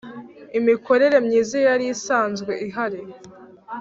imikorere myiza yari isanzwe.ihari